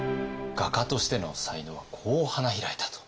画家としての才能はこう花開いたと。